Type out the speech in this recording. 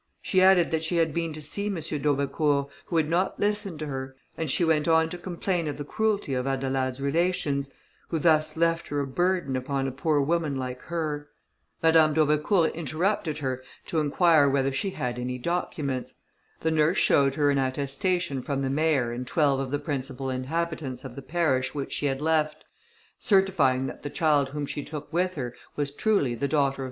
She added, that she had been to see M. d'Aubecourt, who would not listen to her, and she went on to complain of the cruelty of Adelaide's relations, who thus left her a burden upon a poor woman like her. Madame d'Aubecourt interrupted her to inquire whether she had any documents. The nurse showed her an attestation from the mayor and twelve of the principal inhabitants of the parish which she had left, certifying that the child whom she took with her, was truly the daughter of M.